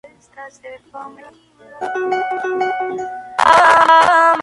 Para salir adelante trabajó como obrera metalúrgica.